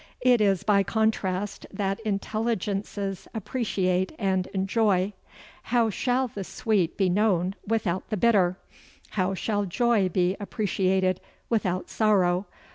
It is by contrast that intelligences appreciate and enjoy. How shall the sweet be known without the bitter? How shall joy be appreciated without sorrow?